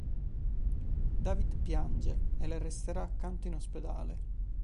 David piange, e le resterà accanto in ospedale.